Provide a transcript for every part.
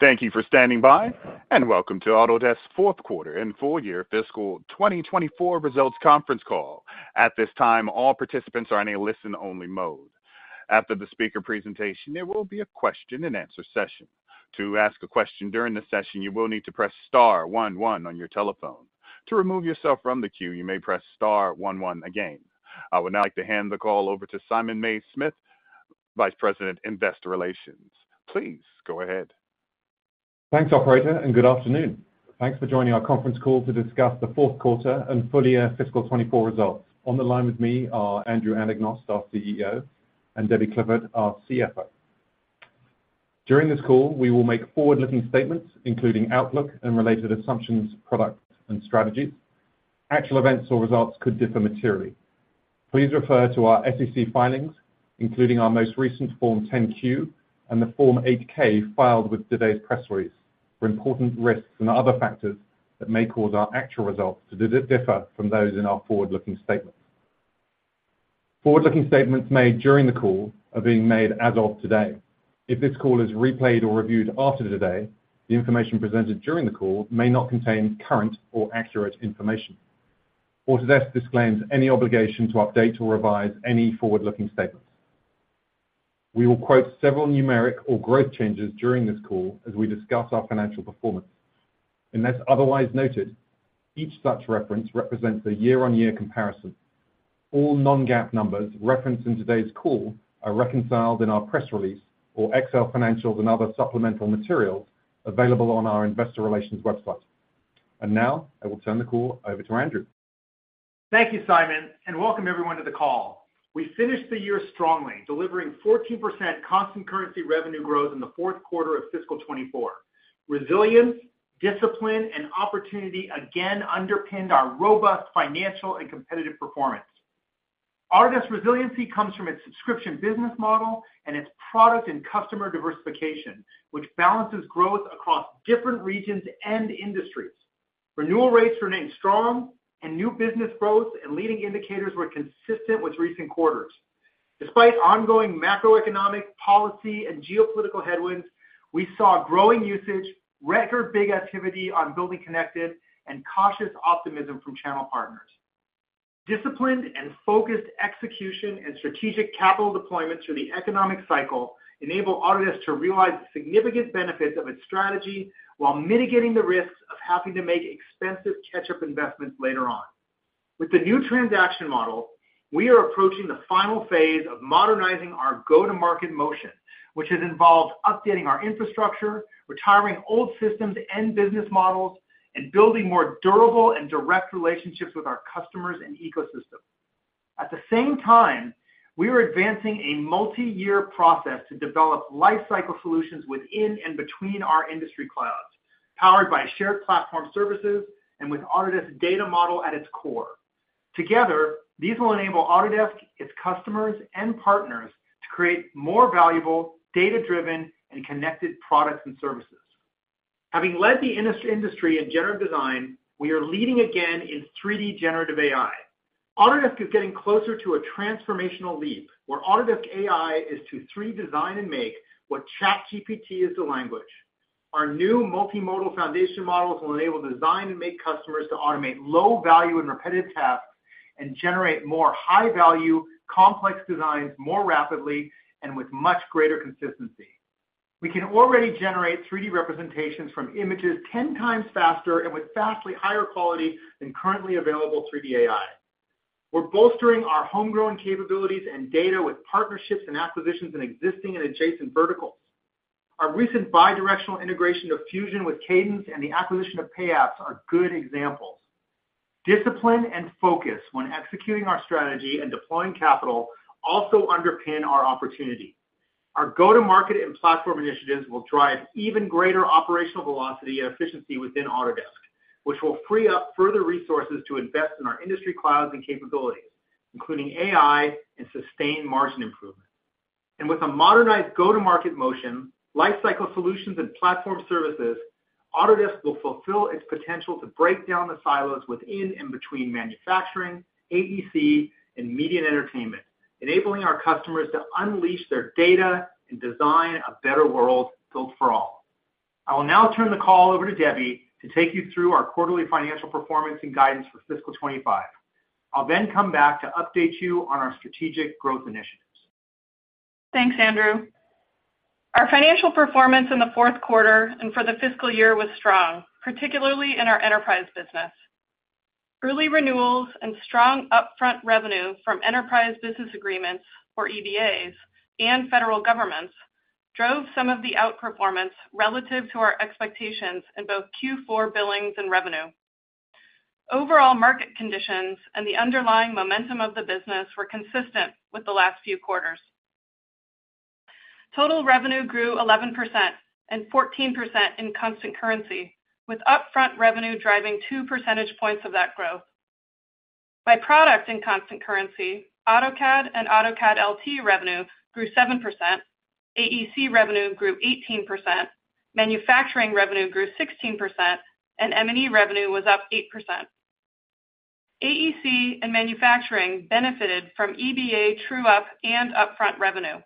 Thank you for standing by, and welcome to Autodesk's Fourth Quarter and Full-Year Fiscal 2024 Results Conference Call. At this time, all participants are in a listen-only mode. After the speaker presentation, there will be a question-and-answer session. To ask a question during the session, you will need to press star one one on your telephone. To remove yourself from the queue, you may press star one one again. I would now like to hand the call over to Simon Mays-Smith, Vice President, Investor Relations. Please go ahead. Thanks, Operator, and good afternoon. Thanks for joining our conference call to discuss the fourth quarter and full-year fiscal 2024 results. On the line with me are Andrew Anagnost, our CEO, and Debbie Clifford, our CFO. During this call, we will make forward-looking statements including outlook and related assumptions, products, and strategies. Actual events or results could differ materially. Please refer to our SEC filings, including our most recent Form 10-Q and the Form 8-K filed with today's press release, for important risks and other factors that may cause our actual results to differ from those in our forward-looking statements. Forward-looking statements made during the call are being made as of today. If this call is replayed or reviewed after today, the information presented during the call may not contain current or accurate information. Autodesk disclaims any obligation to update or revise any forward-looking statements. We will quote several numeric or growth changes during this call as we discuss our financial performance. Unless otherwise noted, each such reference represents a year-on-year comparison. All non-GAAP numbers referenced in today's call are reconciled in our press release or Excel financials and other supplemental materials available on our Investor Relations website. Now I will turn the call over to Andrew. Thank you, Simon, and welcome everyone to the call. We finished the year strongly, delivering 14% constant currency revenue growth in the fourth quarter of fiscal 2024. Resilience, discipline, and opportunity again underpinned our robust financial and competitive performance. Autodesk's resiliency comes from its subscription business model and its product and customer diversification, which balances growth across different regions and industries. Renewal rates remained strong, and new business growth and leading indicators were consistent with recent quarters. Despite ongoing macroeconomic, policy, and geopolitical headwinds, we saw growing usage, record big activity on BuildingConnected, and cautious optimism from channel partners. Disciplined and focused execution and strategic capital deployment through the economic cycle enable Autodesk to realize the significant benefits of its strategy while mitigating the risks of having to make expensive catch-up investments later on. With the new transaction model, we are approaching the final phase of modernizing our go-to-market motion, which has involved updating our infrastructure, retiring old systems and business models, and building more durable and direct relationships with our customers and ecosystem. At the same time, we are advancing a multi-year process to develop lifecycle solutions within and between our industry clouds, powered by shared platform services and with Autodesk's data model at its core. Together, these will enable Autodesk, its customers, and partners to create more valuable, data-driven, and connected products and services. Having led the industry in generative design, we are leading again in 3D generative AI. Autodesk is getting closer to a transformational leap, where Autodesk AI is to 3D design and make what ChatGPT is the language. Our new multimodal foundation models will enable design and make customers to automate low-value and repetitive tasks and generate more high-value, complex designs more rapidly and with much greater consistency. We can already generate 3D representations from images 10 times faster and with vastly higher quality than currently available 3D AI. We're bolstering our homegrown capabilities and data with partnerships and acquisitions in existing and adjacent verticals. Our recent bidirectional integration of Fusion with Cadence and the acquisition of Payapps are good examples. Discipline and focus when executing our strategy and deploying capital also underpin our opportunity. Our go-to-market and platform initiatives will drive even greater operational velocity and efficiency within Autodesk, which will free up further resources to invest in our industry clouds and capabilities, including AI and sustained margin improvement. With a modernized go-to-market motion, lifecycle solutions, and platform services, Autodesk will fulfill its potential to break down the silos within and between manufacturing, AEC, and Media and Entertainment, enabling our customers to unleash their data and design a better world built for all. I will now turn the call over to Debbie to take you through our quarterly financial performance and guidance for fiscal 2025. I'll then come back to update you on our strategic growth initiatives. Thanks, Andrew. Our financial performance in the fourth quarter and for the fiscal year was strong, particularly in our enterprise business. Early renewals and strong upfront revenue from enterprise business agreements, or EBAs, and federal governments drove some of the outperformance relative to our expectations in both Q4 billings and revenue. Overall market conditions and the underlying momentum of the business were consistent with the last few quarters. Total revenue grew 11% and 14% in constant currency, with upfront revenue driving 2 percentage points of that growth. By product in constant currency, AutoCAD and AutoCAD LT revenue grew 7%, AEC revenue grew 18%, manufacturing revenue grew 16%, and M&E revenue was up 8%. AEC and manufacturing benefited from EBA true-up and upfront revenue.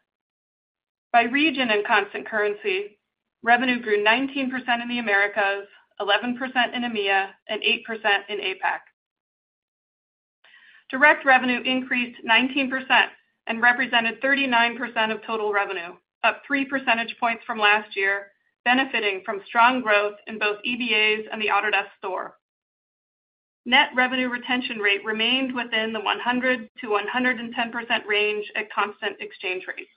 By region in constant currency, revenue grew 19% in the Americas, 11% in EMEA, and 8% in APAC. Direct revenue increased 19% and represented 39% of total revenue, up 3 percentage points from last year, benefiting from strong growth in both EBAs and the Autodesk store. Net revenue retention rate remained within the 100%-110% range at constant exchange rates.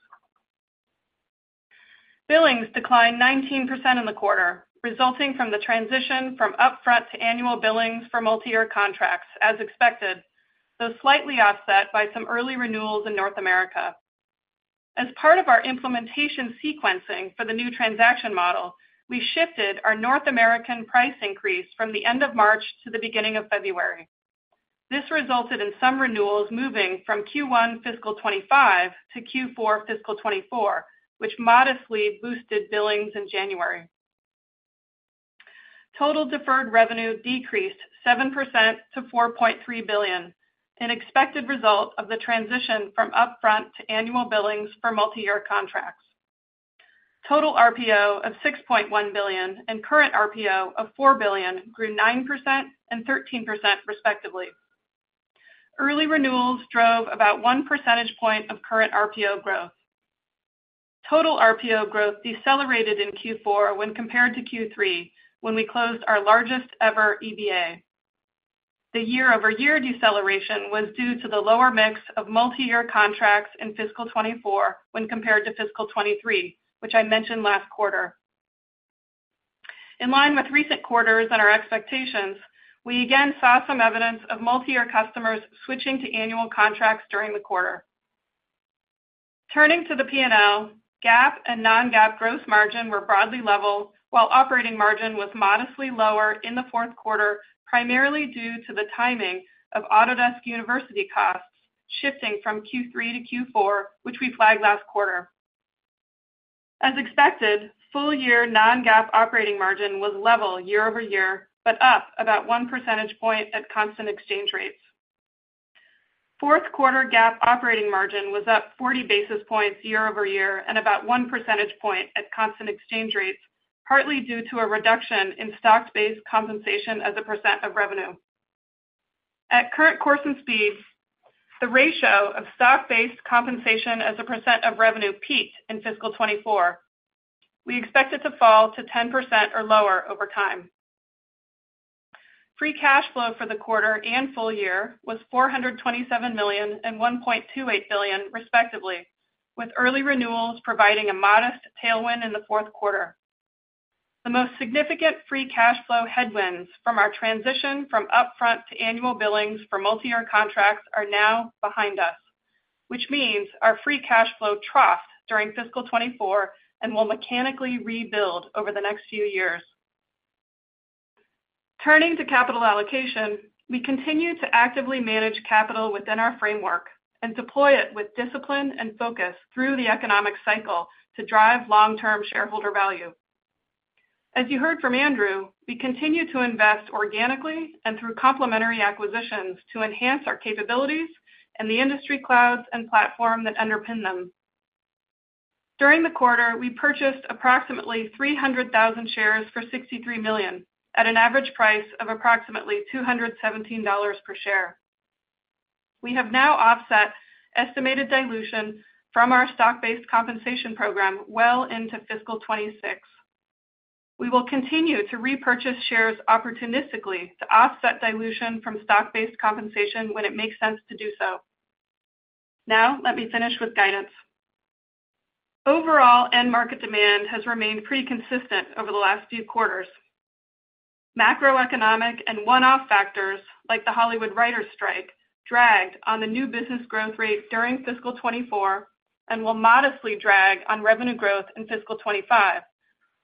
Billings declined 19% in the quarter, resulting from the transition from upfront to annual billings for multi-year contracts, as expected, though slightly offset by some early renewals in North America. As part of our implementation sequencing for the new transaction model, we shifted our North American price increase from the end of March to the beginning of February. This resulted in some renewals moving from Q1 fiscal 2025-Q4 fiscal 2024, which modestly boosted billings in January. Total deferred revenue decreased 7%-$4.3 billion, an expected result of the transition from upfront to annual billings for multi-year contracts. Total RPO of $6.1 billion and current RPO of $4 billion grew 9% and 13%, respectively. Early renewals drove about 1 percentage point of current RPO growth. Total RPO growth decelerated in Q4 when compared to Q3 when we closed our largest-ever EBA. The year-over-year deceleration was due to the lower mix of multi-year contracts in fiscal 2024 when compared to fiscal 2023, which I mentioned last quarter. In line with recent quarters and our expectations, we again saw some evidence of multi-year customers switching to annual contracts during the quarter. Turning to the P&L, GAAP and non-GAAP gross margin were broadly level, while operating margin was modestly lower in the fourth quarter, primarily due to the timing of Autodesk University costs shifting from Q3 to Q4, which we flagged last quarter. As expected, full-year non-GAAP operating margin was level year-over-year but up about one percentage point at constant exchange rates. Fourth-quarter GAAP operating margin was up 40 basis points year-over-year and about one percentage point at constant exchange rates, partly due to a reduction in stock-based compensation as a percent of revenue. At current course and speed, the ratio of stock-based compensation as a percent of revenue peaked in fiscal 2024. We expect it to fall to 10% or lower over time. Free cash flow for the quarter and full year was $427 million and $1.28 billion, respectively, with early renewals providing a modest tailwind in the fourth quarter. The most significant free cash flow headwinds from our transition from upfront to annual billings for multi-year contracts are now behind us, which means our free cash flow troughed during fiscal 2024 and will mechanically rebuild over the next few years. Turning to capital allocation, we continue to actively manage capital within our framework and deploy it with discipline and focus through the economic cycle to drive long-term shareholder value. As you heard from Andrew, we continue to invest organically and through complementary acquisitions to enhance our capabilities and the industry clouds and platform that underpin them. During the quarter, we purchased approximately 300,000 shares for $63 million at an average price of approximately $217 per share. We have now offset estimated dilution from our stock-based compensation program well into fiscal 2026. We will continue to repurchase shares opportunistically to offset dilution from stock-based compensation when it makes sense to do so. Now let me finish with guidance. Overall end-market demand has remained pretty consistent over the last few quarters. Macroeconomic and one-off factors like the Hollywood Writers' Strike dragged on the new business growth rate during fiscal 2024 and will modestly drag on revenue growth in fiscal 2025,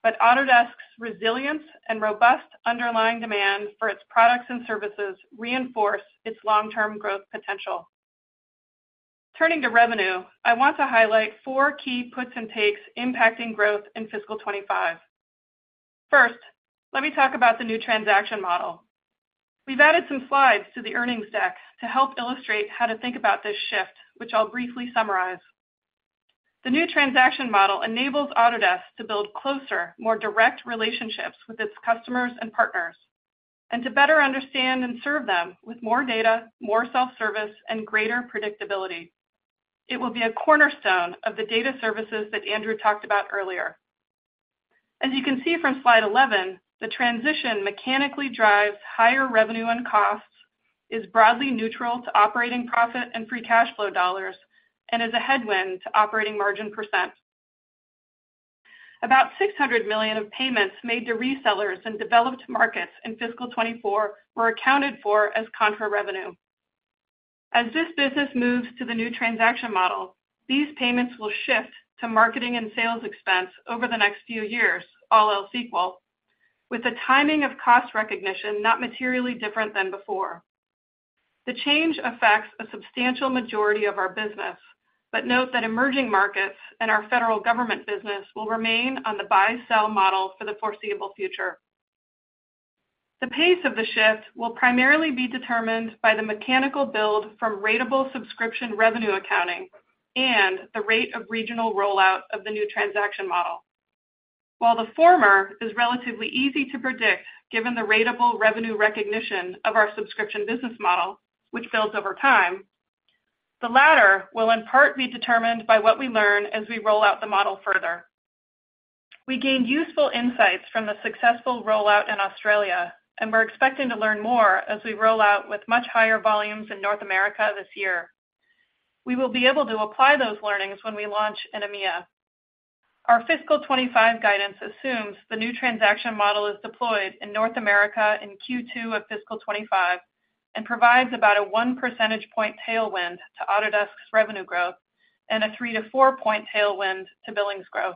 but Autodesk's resilience and robust underlying demand for its products and services reinforce its long-term growth potential. Turning to revenue, I want to highlight four key puts and takes impacting growth in fiscal 2025. First, let me talk about the new transaction model. We've added some slides to the earnings deck to help illustrate how to think about this shift, which I'll briefly summarize. The new transaction model enables Autodesk to build closer, more direct relationships with its customers and partners, and to better understand and serve them with more data, more self-service, and greater predictability. It will be a cornerstone of the data services that Andrew talked about earlier. As you can see from slide 11, the transition mechanically drives higher revenue and costs, is broadly neutral to operating profit and free cash flow dollars, and is a headwind to operating margin %. About $600 million of payments made to resellers in developed markets in fiscal 2024 were accounted for as contra-revenue. As this business moves to the new transaction model, these payments will shift to marketing and sales expense over the next few years, all else equal, with the timing of cost recognition not materially different than before. The change affects a substantial majority of our business, but note that emerging markets and our federal government business will remain on the buy-sell model for the foreseeable future. The pace of the shift will primarily be determined by the mechanical build from ratable subscription revenue accounting and the rate of regional rollout of the new transaction model. While the former is relatively easy to predict given the ratable revenue recognition of our subscription business model, which builds over time, the latter will in part be determined by what we learn as we roll out the model further. We gained useful insights from the successful rollout in Australia, and we're expecting to learn more as we roll out with much higher volumes in North America this year. We will be able to apply those learnings when we launch in EMEA. Our fiscal 2025 guidance assumes the new transaction model is deployed in North America in Q2 of fiscal 2025 and provides about a 1 percentage point tailwind to Autodesk's revenue growth and a 3-4 point tailwind to billings growth.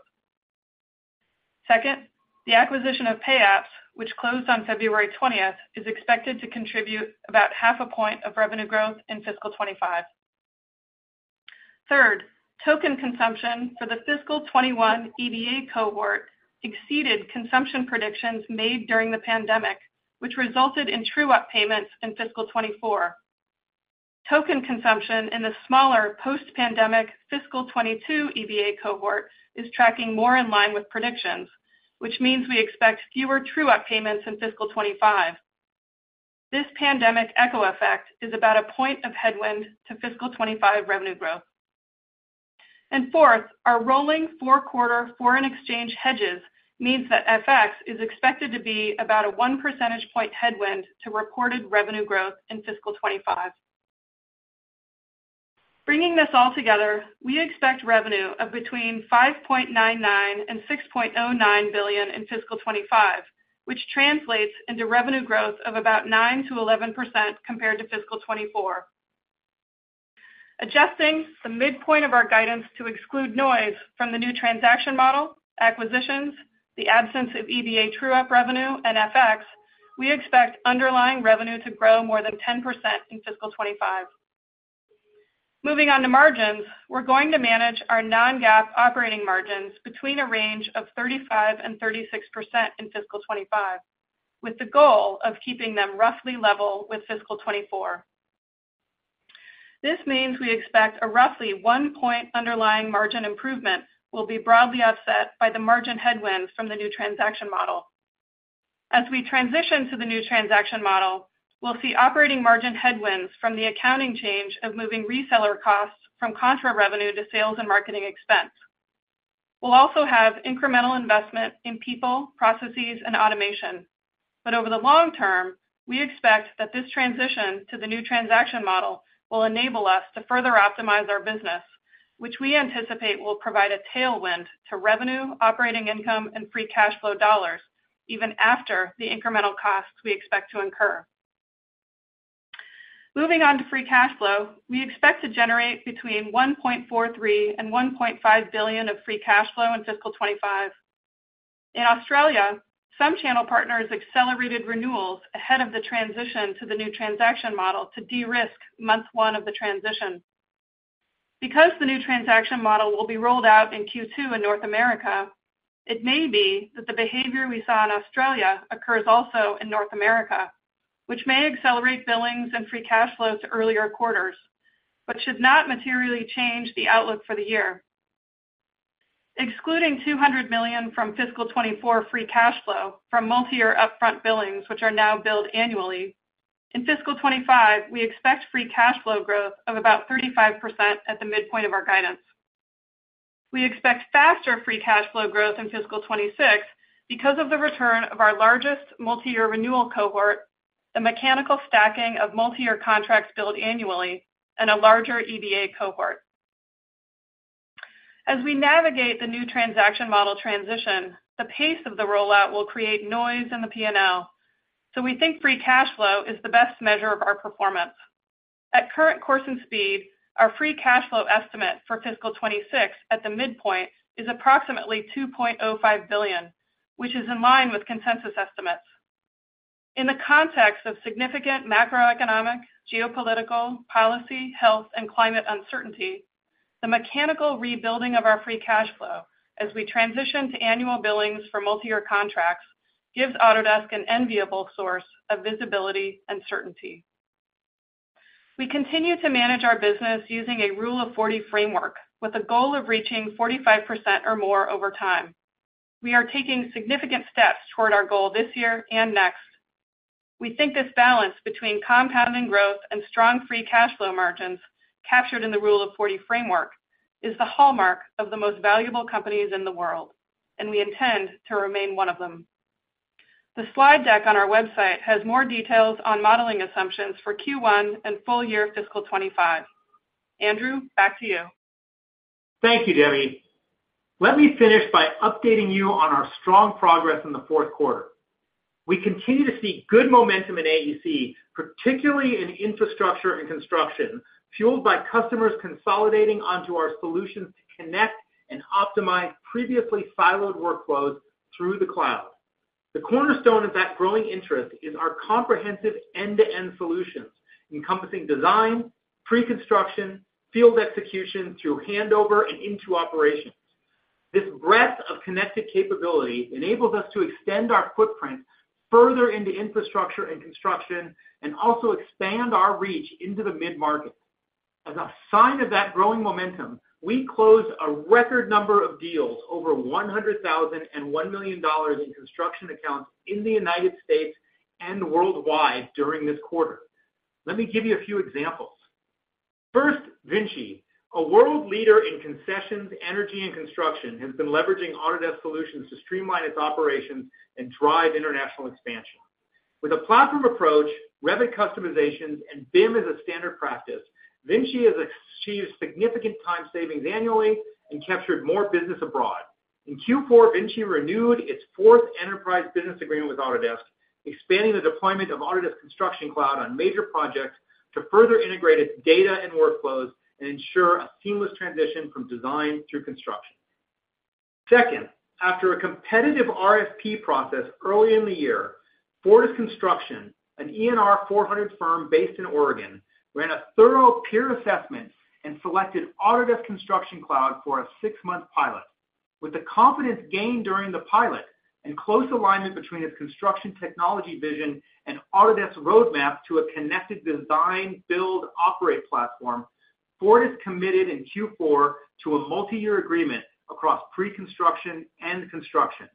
Second, the acquisition of Payapps, which closed on February 20th, is expected to contribute about half a point of revenue growth in fiscal 2025. Third, token consumption for the fiscal 2021 EBA cohort exceeded consumption predictions made during the pandemic, which resulted in true-up payments in fiscal 2024. Token consumption in the smaller post-pandemic fiscal 2022 EBA cohort is tracking more in line with predictions, which means we expect fewer true-up payments in fiscal 2025. This pandemic echo effect is about a point of headwind to fiscal 2025 revenue growth. Fourth, our rolling four-quarter foreign exchange hedges means that FX is expected to be about a 1 percentage point headwind to reported revenue growth in fiscal 2025. Bringing this all together, we expect revenue of between $5.99 billion and $6.09 billion in fiscal 2025, which translates into revenue growth of about 9%-11% compared to fiscal 2024. Adjusting the midpoint of our guidance to exclude noise from the new transaction model, acquisitions, the absence of EBA true-up revenue, and FX, we expect underlying revenue to grow more than 10% in fiscal 2025. Moving on to margins, we're going to manage our non-GAAP operating margins between a range of 35%-36% in fiscal 2025, with the goal of keeping them roughly level with fiscal 2024. This means we expect a roughly 1 point underlying margin improvement will be broadly offset by the margin headwinds from the new transaction model. As we transition to the new transaction model, we'll see operating margin headwinds from the accounting change of moving reseller costs from contra-revenue to sales and marketing expense. We'll also have incremental investment in people, processes, and automation, but over the long term, we expect that this transition to the new transaction model will enable us to further optimize our business, which we anticipate will provide a tailwind to revenue, operating income, and free cash flow dollars even after the incremental costs we expect to incur. Moving on to free cash flow, we expect to generate between $1.43 and $1.5 billion of free cash flow in fiscal 2025. In Australia, some channel partners accelerated renewals ahead of the transition to the new transaction model to de-risk month one of the transition. Because the new transaction model will be rolled out in Q2 in North America, it may be that the behavior we saw in Australia occurs also in North America, which may accelerate billings and free cash flow to earlier quarters, but should not materially change the outlook for the year. Excluding $200 million from fiscal 2024 free cash flow from multi-year upfront billings, which are now billed annually, in fiscal 2025 we expect free cash flow growth of about 35% at the midpoint of our guidance. We expect faster free cash flow growth in fiscal 2026 because of the return of our largest multi-year renewal cohort, the mechanical stacking of multi-year contracts billed annually, and a larger EBA cohort. As we navigate the new transaction model transition, the pace of the rollout will create noise in the P&L, so we think free cash flow is the best measure of our performance. At current course and speed, our free cash flow estimate for fiscal 2026 at the midpoint is approximately $2.05 billion, which is in line with consensus estimates. In the context of significant macroeconomic, geopolitical, policy, health, and climate uncertainty, the mechanical rebuilding of our free cash flow as we transition to annual billings for multi-year contracts gives Autodesk an enviable source of visibility and certainty. We continue to manage our business using a Rule of 40 framework with the goal of reaching 45% or more over time. We are taking significant steps toward our goal this year and next. We think this balance between compounding growth and strong free cash flow margins captured in the Rule of 40 framework is the hallmark of the most valuable companies in the world, and we intend to remain one of them. The slide deck on our website has more details on modeling assumptions for Q1 and full year of fiscal 2025. Andrew, back to you. Thank you, Debbie. Let me finish by updating you on our strong progress in the fourth quarter. We continue to see good momentum in AEC, particularly in infrastructure and construction, fueled by customers consolidating onto our solutions to connect and optimize previously siloed workflows through the cloud. The cornerstone of that growing interest is our comprehensive end-to-end solutions encompassing design, pre-construction, field execution through handover and into operations. This breadth of connected capability enables us to extend our footprint further into infrastructure and construction and also expand our reach into the mid-market. As a sign of that growing momentum, we closed a record number of deals, over $100,000 and $1 million in construction accounts in the United States and worldwide during this quarter. Let me give you a few examples. First, VINCI, a world leader in concessions, energy, and construction, has been leveraging Autodesk solutions to streamline its operations and drive international expansion. With a platform approach, Revit customizations, and BIM as a standard practice, VINCI has achieved significant time savings annually and captured more business abroad. In Q4, VINCI renewed its fourth enterprise business agreement with Autodesk, expanding the deployment of Autodesk Construction Cloud on major projects to further integrate its data and workflows and ensure a seamless transition from design through construction. Second, after a competitive RFP process early in the year, Fortis Construction, an ENR 400 firm based in Oregon, ran a thorough peer assessment and selected Autodesk Construction Cloud for a six-month pilot. With the confidence gained during the pilot and close alignment between its construction technology vision and Autodesk's roadmap to a connected design, build, operate platform, Fortis committed in Q4 to a multi-year agreement across pre-construction and construction.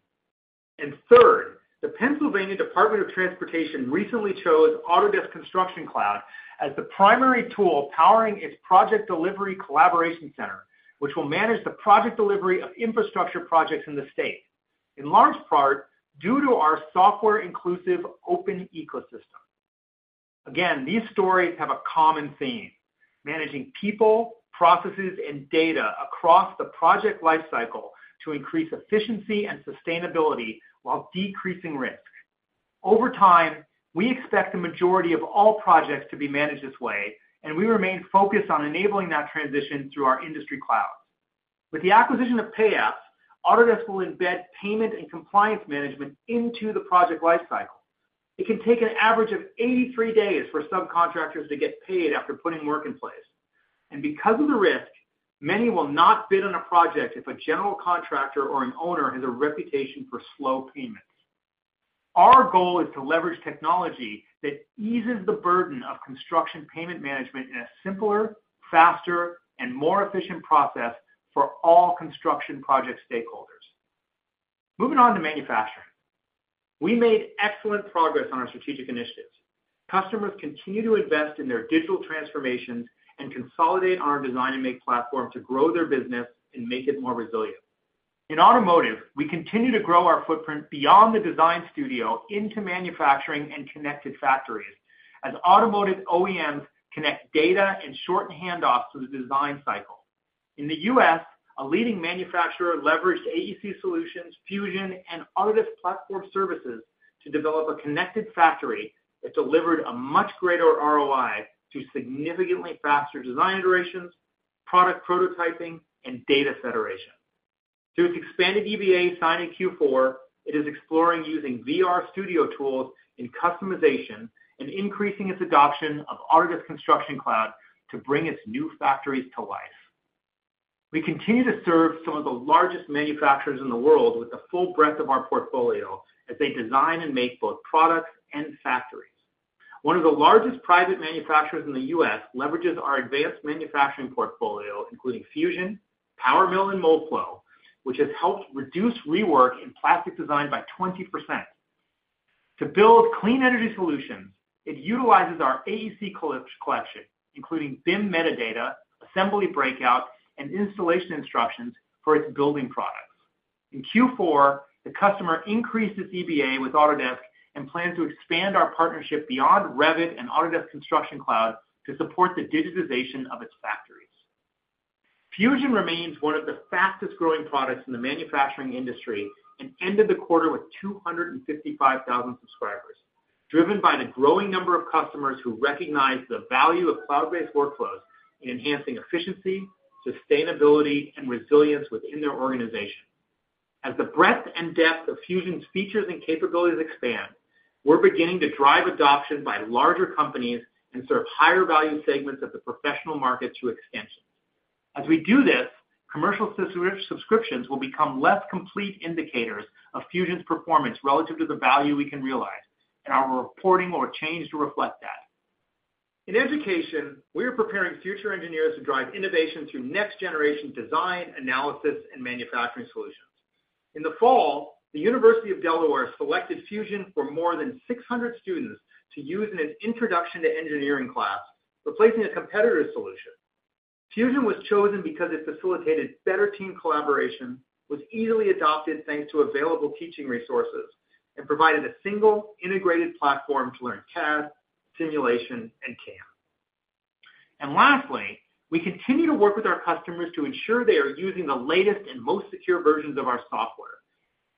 And third, the Pennsylvania Department of Transportation recently chose Autodesk Construction Cloud as the primary tool powering its Project Delivery Collaboration Center, which will manage the project delivery of infrastructure projects in the state, in large part due to our software-inclusive open ecosystem. Again, these stories have a common theme: managing people, processes, and data across the project lifecycle to increase efficiency and sustainability while decreasing risk. Over time, we expect the majority of all projects to be managed this way, and we remain focused on enabling that transition through our industry cloud. With the acquisition of Payapps, Autodesk will embed payment and compliance management into the project lifecycle. It can take an average of 83 days for subcontractors to get paid after putting work in place. Because of the risk, many will not bid on a project if a general contractor or an owner has a reputation for slow payments. Our goal is to leverage technology that eases the burden of construction payment management in a simpler, faster, and more efficient process for all construction project stakeholders. Moving on to manufacturing, we made excellent progress on our strategic initiatives. Customers continue to invest in their digital transformations and consolidate on our design and make platform to grow their business and make it more resilient. In automotive, we continue to grow our footprint beyond the design studio into manufacturing and connected factories as automotive OEMs connect data and shorten handoffs to the design cycle. In the U.S., a leading manufacturer leveraged AEC solutions, Fusion, and Autodesk platform services to develop a connected factory that delivered a much greater ROI to significantly faster design iterations, product prototyping, and data federation. Through its expanded EBA signing in Q4, it is exploring using VR studio tools in customization and increasing its adoption of Autodesk Construction Cloud to bring its new factories to life. We continue to serve some of the largest manufacturers in the world with the full breadth of our portfolio as they design and make both products and factories. One of the largest private manufacturers in the U.S. leverages our advanced manufacturing portfolio, including Fusion, PowerMill, and Moldflow, which has helped reduce rework in plastic design by 20%. To build clean energy solutions, it utilizes our AEC collection, including BIM metadata, assembly breakout, and installation instructions for its building products. In Q4, the customer increased its EBA with Autodesk and plans to expand our partnership beyond Revit and Autodesk Construction Cloud to support the digitization of its factories. Fusion remains one of the fastest growing products in the manufacturing industry and ended the quarter with 255,000 subscribers, driven by the growing number of customers who recognize the value of cloud-based workflows in enhancing efficiency, sustainability, and resilience within their organization. As the breadth and depth of Fusion's features and capabilities expand, we're beginning to drive adoption by larger companies and serve higher value segments of the professional market through extensions. As we do this, commercial subscriptions will become less complete indicators of Fusion's performance relative to the value we can realize, and our reporting will change to reflect that. In education, we are preparing future engineers to drive innovation through next-generation design, analysis, and manufacturing solutions. In the fall, the University of Delaware selected Fusion for more than 600 students to use in its introduction to engineering class, replacing a competitor's solution. Fusion was chosen because it facilitated better team collaboration, was easily adopted thanks to available teaching resources, and provided a single integrated platform to learn CAD, simulation, and CAM. And lastly, we continue to work with our customers to ensure they are using the latest and most secure versions of our software.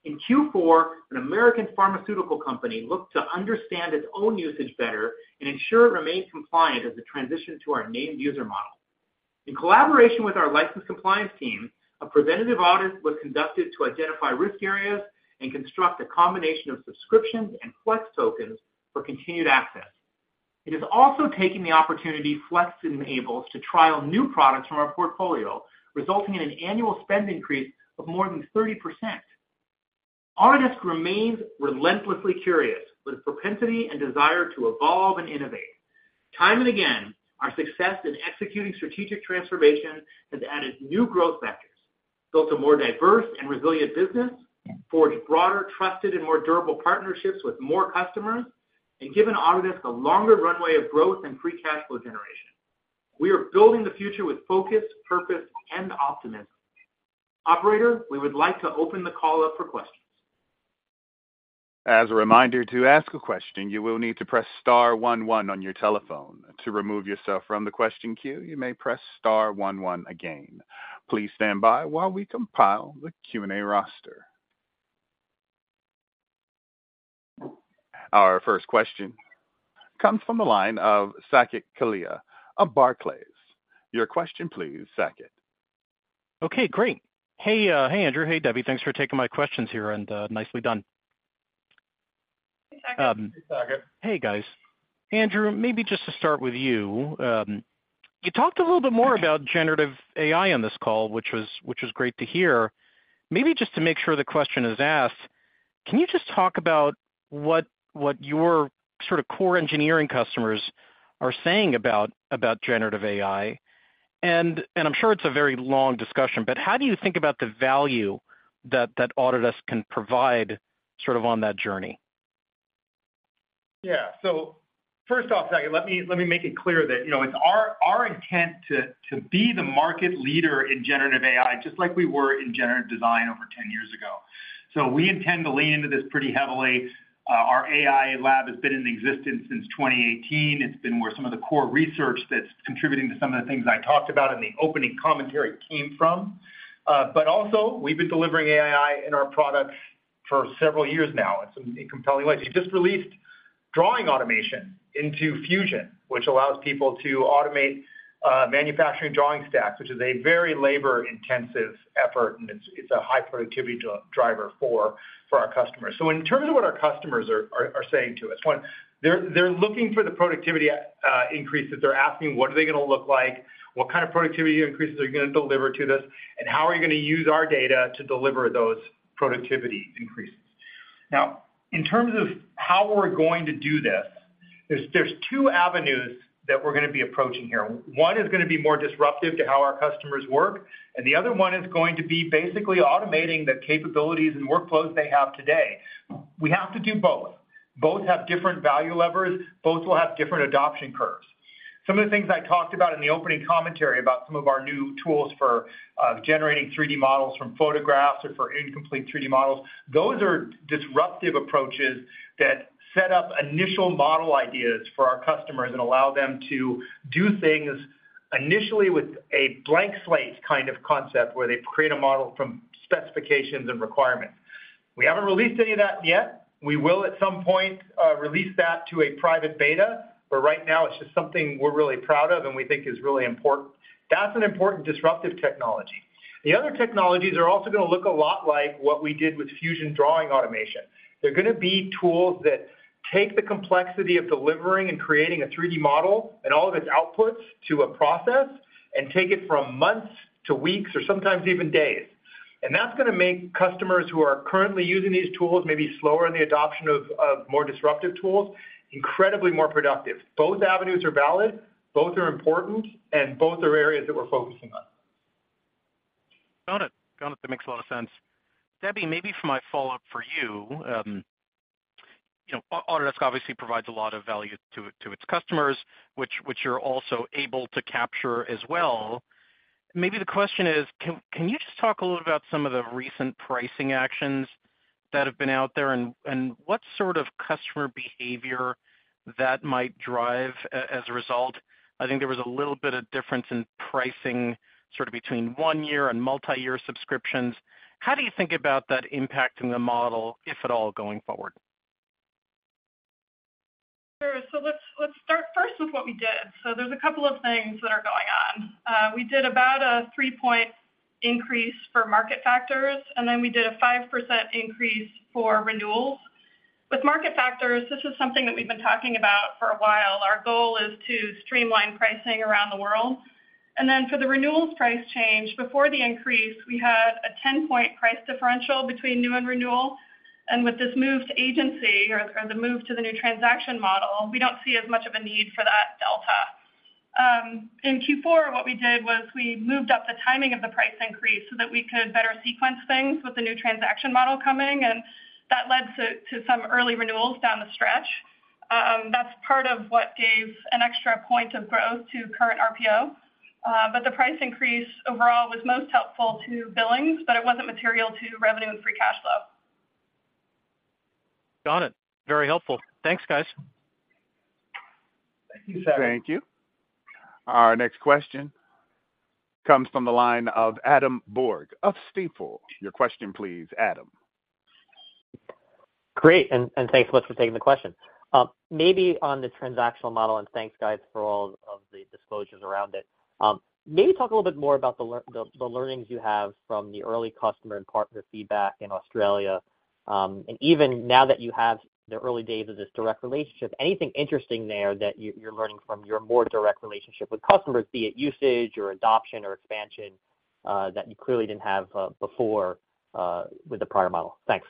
In Q4, an American pharmaceutical company looked to understand its own usage better and ensure it remained compliant as it transitioned to our named user model. In collaboration with our license compliance team, a preventative audit was conducted to identify risk areas and construct a combination of subscriptions and flex tokens for continued access. It is also taking the opportunity Flex enables to trial new products from our portfolio, resulting in an annual spend increase of more than 30%. Autodesk remains relentlessly curious with a propensity and desire to evolve and innovate. Time and again, our success in executing strategic transformation has added new growth factors, built a more diverse and resilient business, forged broader, trusted, and more durable partnerships with more customers, and given Autodesk a longer runway of growth and free cash flow generation. We are building the future with focus, purpose, and optimism. Operator, we would like to open the call up for questions. As a reminder to ask a question, you will need to press star one one on your telephone. To remove yourself from the question queue, you may press star one one again. Please stand by while we compile the Q&A roster. Our first question comes from the line of Saket Kalia with Barclays. Your question, please, Saket. Okay, great. Hey, Andrew, hey, Debbie. Thanks for taking my questions here and nicely done. Hey, guys. Andrew, maybe just to start with you. You talked a little bit more about generative AI on this call, which was great to hear. Maybe just to make sure the question is asked, can you just talk about what your sort of core engineering customers are saying about generative AI? And I'm sure it's a very long discussion, but how do you think about the value that Autodesk can provide sort of on that journey? Yeah. So first off, Saket, let me make it clear that it's our intent to be the market leader in generative AI just like we were in generative design over 10 years ago. So we intend to lean into this pretty heavily. Our AI lab has been in existence since 2018. It's been where some of the core research that's contributing to some of the things I talked about in the opening commentary came from. But also, we've been delivering AI in our products for several years now in some compelling ways. We've just released drawing automation into Fusion, which allows people to automate manufacturing drawing stacks, which is a very labor-intensive effort, and it's a high productivity driver for our customers. So in terms of what our customers are saying to us, they're looking for the productivity increases. They're asking, what are they going to look like? What kind of productivity increases are you going to deliver to this? And how are you going to use our data to deliver those productivity increases? Now, in terms of how we're going to do this, there's two avenues that we're going to be approaching here. One is going to be more disruptive to how our customers work, and the other one is going to be basically automating the capabilities and workflows they have today. We have to do both. Both have different value levers. Both will have different adoption curves. Some of the things I talked about in the opening commentary about some of our new tools for generating 3D models from photographs or for incomplete 3D models, those are disruptive approaches that set up initial model ideas for our customers and allow them to do things initially with a blank slate kind of concept where they create a model from specifications and requirements. We haven't released any of that yet. We will at some point release that to a private beta, but right now, it's just something we're really proud of and we think is really important. That's an important disruptive technology. The other technologies are also going to look a lot like what we did with Fusion drawing automation. They're going to be tools that take the complexity of delivering and creating a 3D model and all of its outputs to a process and take it from months to weeks or sometimes even days. And that's going to make customers who are currently using these tools, maybe slower in the adoption of more disruptive tools, incredibly more productive. Both avenues are valid. Both are important, and both are areas that we're focusing on. Got it. Got it. That makes a lot of sense. Debbie, maybe for my follow-up for you, Autodesk obviously provides a lot of value to its customers, which you're also able to capture as well. Maybe the question is, can you just talk a little bit about some of the recent pricing actions that have been out there, and what sort of customer behavior that might drive as a result? I think there was a little bit of difference in pricing sort of between one-year and multi-year subscriptions. How do you think about that impacting the model, if at all, going forward? Sure. So let's start first with what we did. So there's a couple of things that are going on. We did about a 3-point increase for market factors, and then we did a 5% increase for renewals. With market factors, this is something that we've been talking about for a while. Our goal is to streamline pricing around the world. And then for the renewals price change, before the increase, we had a 10-point price differential between new and renewal. And with this move to agency or the move to the new transaction model, we don't see as much of a need for that delta. In Q4, what we did was we moved up the timing of the price increase so that we could better sequence things with the new transaction model coming, and that led to some early renewals down the stretch. That's part of what gave an extra point of growth to Current RPO. But the price increase overall was most helpful to billings, but it wasn't material to revenue and free cash flow. Got it. Very helpful. Thanks, guys. Thank you, Saket. Thank you. Our next question comes from the line of Adam Borg of Stifel. Your question, please, Adam. Great. And thanks so much for taking the question. Maybe on the transactional model, and thanks, guys, for all of the disclosures around it, maybe talk a little bit more about the learnings you have from the early customer and partner feedback in Australia. And even now that you have the early days of this direct relationship, anything interesting there that you're learning from your more direct relationship with customers, be it usage or adoption or expansion, that you clearly didn't have before with the prior model? Thanks.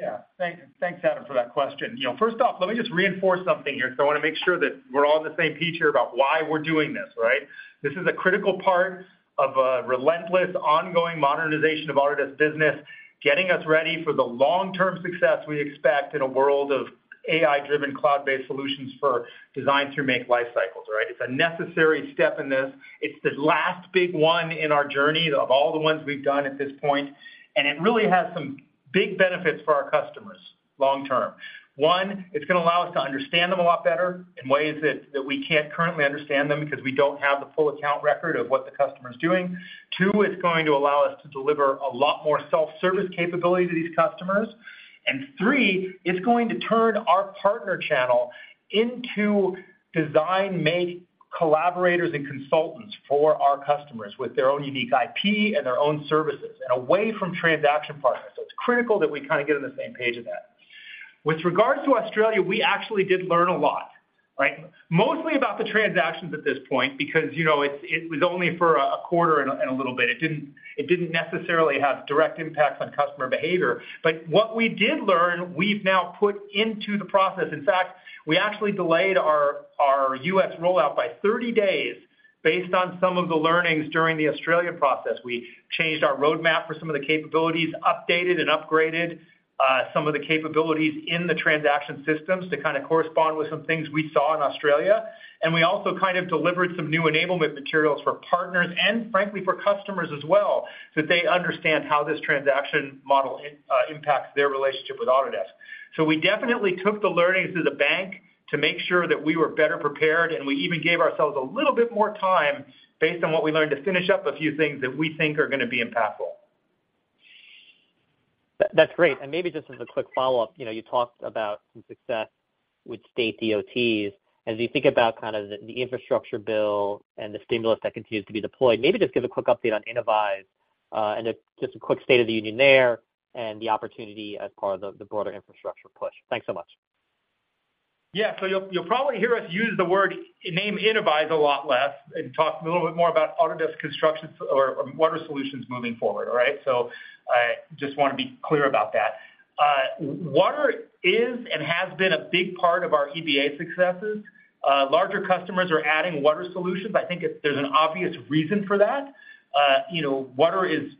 Yeah. Thanks, Adam, for that question. First off, let me just reinforce something here. So I want to make sure that we're all on the same page here about why we're doing this, right? This is a critical part of a relentless ongoing modernization of Autodesk business, getting us ready for the long-term success we expect in a world of AI-driven, cloud-based solutions for design-through-make lifecycles, right? It's a necessary step in this. It's the last big one in our journey of all the ones we've done at this point. And it really has some big benefits for our customers long term. One, it's going to allow us to understand them a lot better in ways that we can't currently understand them because we don't have the full account record of what the customer's doing. Two, it's going to allow us to deliver a lot more self-service capability to these customers. And three, it's going to turn our partner channel into design-make collaborators and consultants for our customers with their own unique IP and their own services and away from transaction partners. So it's critical that we kind of get on the same page of that. With regards to Australia, we actually did learn a lot, right? Mostly about the transactions at this point because it was only for a quarter and a little bit. It didn't necessarily have direct impacts on customer behavior. But what we did learn, we've now put into the process. In fact, we actually delayed our U.S. rollout by 30 days based on some of the learnings during the Australia process. We changed our roadmap for some of the capabilities, updated and upgraded some of the capabilities in the transaction systems to kind of correspond with some things we saw in Australia. And we also kind of delivered some new enablement materials for partners and, frankly, for customers as well so that they understand how this transaction model impacts their relationship with Autodesk. So we definitely took the learnings to the bank to make sure that we were better prepared, and we even gave ourselves a little bit more time based on what we learned to finish up a few things that we think are going to be impactful. That's great. And maybe just as a quick follow-up, you talked about some success with state DOTs. As you think about kind of the infrastructure bill and the stimulus that continues to be deployed, maybe just give a quick update on Innovyze and just a quick state of the union there and the opportunity as part of the broader infrastructure push. Thanks so much. Yeah. So you'll probably hear us use the word name Innovyze a lot less and talk a little bit more about Autodesk Construction Cloud water solutions moving forward, all right? So I just want to be clear about that. Water is and has been a big part of our EBA successes. Larger customers are adding water solutions. I think there's an obvious reason for that. Water is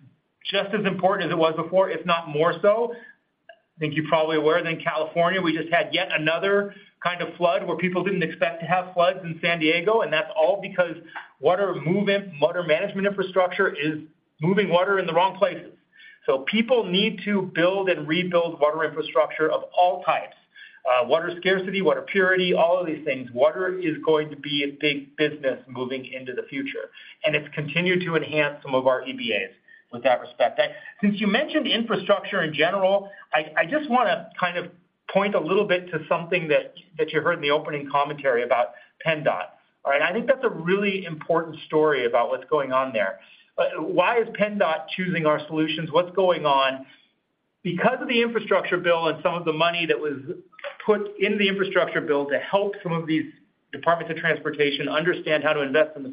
just as important as it was before, if not more so. I think you're probably aware. In California, we just had yet another kind of flood where people didn't expect to have floods in San Diego. And that's all because water management infrastructure is moving water in the wrong places. So people need to build and rebuild water infrastructure of all types: water scarcity, water purity, all of these things. Water is going to be a big business moving into the future. And it's continued to enhance some of our EBAs with that respect. Since you mentioned infrastructure in general, I just want to kind of point a little bit to something that you heard in the opening commentary about PennDOT, all right? I think that's a really important story about what's going on there. Why is PennDOT choosing our solutions? What's going on? Because of the infrastructure bill and some of the money that was put in the infrastructure bill to help some of these departments of transportation understand how to invest in the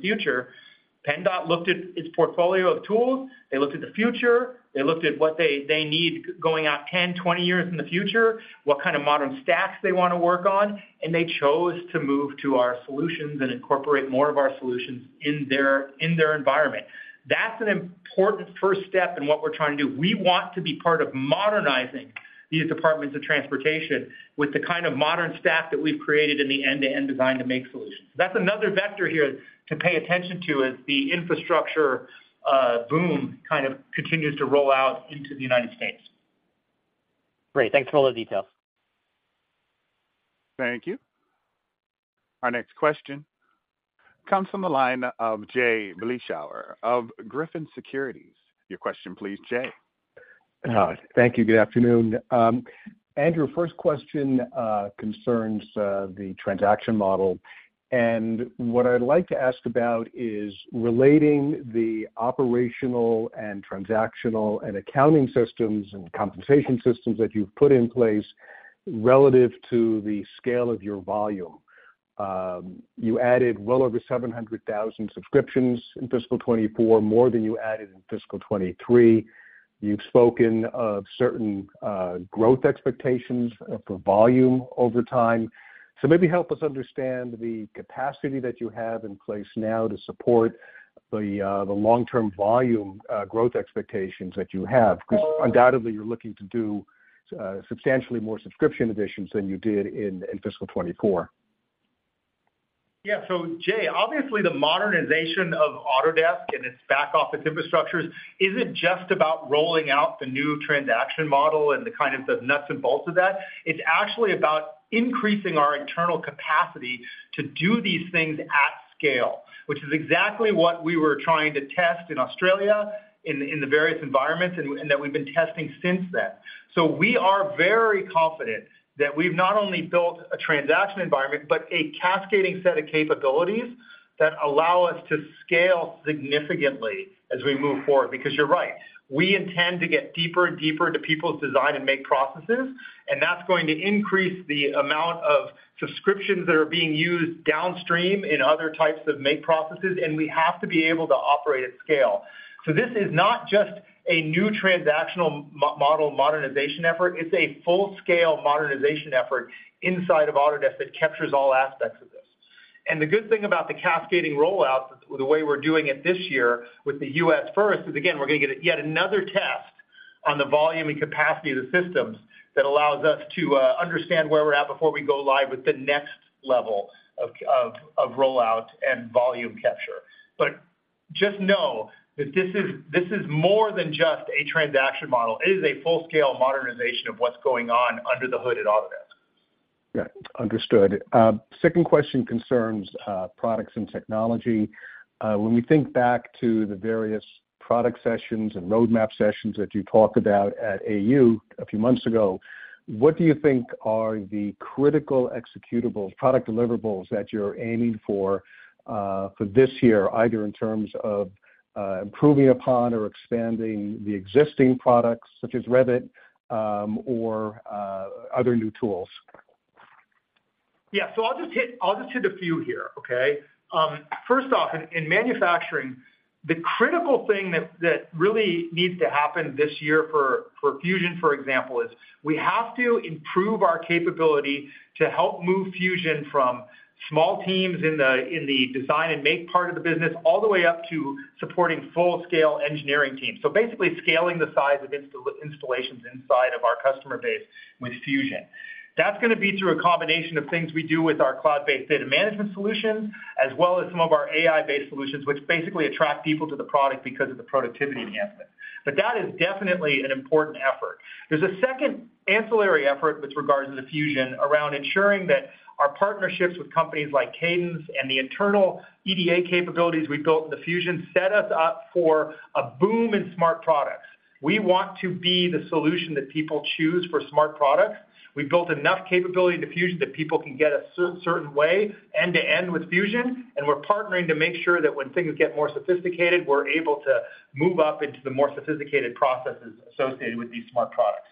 future, PennDOT looked at its portfolio of tools. They looked at the future. They looked at what they need going out 10, 20 years in the future, what kind of modern stacks they want to work on. And they chose to move to our solutions and incorporate more of our solutions in their environment. That's an important first step in what we're trying to do. We want to be part of modernizing these departments of transportation with the kind of modern stack that we've created in the end-to-end design to make solutions. That's another vector here to pay attention to as the infrastructure boom kind of continues to roll out into the United States. Great. Thanks for all the details. Thank you. Our next question comes from the line of Jay Vleeschhouwer of Griffin Securities. Your question, please, Jay. Thank you. Good afternoon. Andrew, first question concerns the transaction model. What I'd like to ask about is relating the operational and transactional and accounting systems and compensation systems that you've put in place relative to the scale of your volume. You added well over 700,000 subscriptions in fiscal 2024, more than you added in fiscal 2023. You've spoken of certain growth expectations for volume over time. So maybe help us understand the capacity that you have in place now to support the long-term volume growth expectations that you have because undoubtedly, you're looking to do substantially more subscription additions than you did in fiscal 2024. Yeah. So Jay, obviously, the modernization of Autodesk and its back-office infrastructures isn't just about rolling out the new transaction model and the kind of the nuts and bolts of that. It's actually about increasing our internal capacity to do these things at scale, which is exactly what we were trying to test in Australia in the various environments and that we've been testing since then. So we are very confident that we've not only built a transaction environment but a cascading set of capabilities that allow us to scale significantly as we move forward because you're right. We intend to get deeper and deeper into people's design and make processes. And that's going to increase the amount of subscriptions that are being used downstream in other types of make processes. And we have to be able to operate at scale. So this is not just a new transactional model modernization effort. It's a full-scale modernization effort inside of Autodesk that captures all aspects of this. And the good thing about the cascading rollouts, the way we're doing it this year with the U.S. first is, again, we're going to get yet another test on the volume and capacity of the systems that allows us to understand where we're at before we go live with the next level of rollout and volume capture. But just know that this is more than just a transaction model. It is a full-scale modernization of what's going on under the hood at Autodesk. Yeah. Understood. Second question concerns products and technology. When we think back to the various product sessions and roadmap sessions that you talked about at AU a few months ago, what do you think are the critical executables product deliverables that you're aiming for this year, either in terms of improving upon or expanding the existing products such as Revit or other new tools? Yeah. So I'll just hit a few here, okay? First off, in manufacturing, the critical thing that really needs to happen this year for Fusion, for example, is we have to improve our capability to help move Fusion from small teams in the design and make part of the business all the way up to supporting full-scale engineering teams, so basically scaling the size of installations inside of our customer base with Fusion. That's going to be through a combination of things we do with our cloud-based data management solutions as well as some of our AI-based solutions, which basically attract people to the product because of the productivity enhancement. But that is definitely an important effort. There's a second ancillary effort with regards to the Fusion around ensuring that our partnerships with companies like Cadence and the internal EDA capabilities we built in the Fusion set us up for a boom in smart products. We want to be the solution that people choose for smart products. We built enough capability in the Fusion that people can get a certain way end-to-end with Fusion. And we're partnering to make sure that when things get more sophisticated, we're able to move up into the more sophisticated processes associated with these smart products.